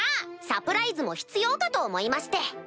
サプライズも必要かと思いまして。